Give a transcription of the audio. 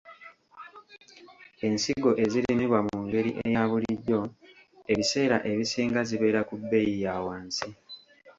Ensigo ezirimibwa mu ngeri eya bulijjo ebiseera ebisinga zibeera ku bbeeyi ya wansi.